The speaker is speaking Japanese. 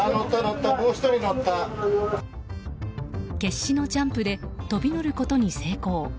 決死のジャンプで飛び乗ることに成功。